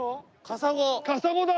カサゴだ。